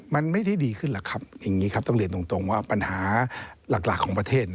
มันไม่ได้ดีขึ้นหรอกครับอย่างนี้ครับต้องเรียนตรงว่าปัญหาหลักของประเทศ